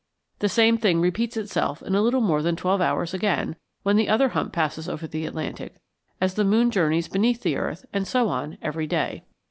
The same thing repeats itself in a little more than twelve hours again, when the other hump passes over the Atlantic, as the moon journeys beneath the earth, and so on every day.